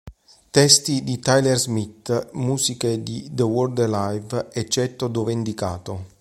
Testi di Tyler Smith, musiche dei The Word Alive, eccetto dove indicato.